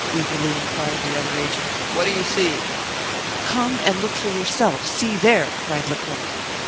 eagerly inquired the other agent: "what do you see?" "Come and look for yourself, see there!" cried Lecoq.